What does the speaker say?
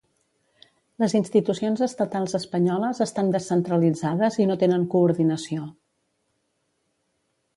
Les institucions estatals espanyoles estan descentralitzades i no tenen coordinació